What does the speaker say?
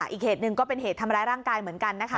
อีกเหตุหนึ่งก็เป็นเหตุทำร้ายร่างกายเหมือนกันนะคะ